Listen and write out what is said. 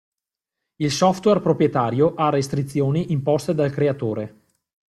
Il software proprietario ha restrizioni imposte dal creatore.